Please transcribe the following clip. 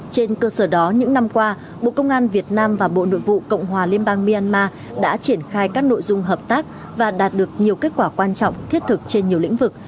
trên cơ sở đó những năm qua bộ công an việt nam và bộ nội vụ cộng hòa liên bang myanmar đã triển khai các nội dung hợp tác và đạt được nhiều kết quả quan trọng thiết thực trên nhiều lĩnh vực